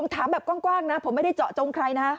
ถามแบบกว้างนะผมไม่ได้เจาะจงใครนะ